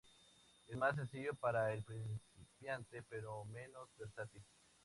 Es más sencillo para el principiante, pero menos versátil.